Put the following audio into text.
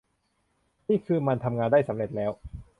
นี่คือมันทำงานได้สำเร็จแล้ว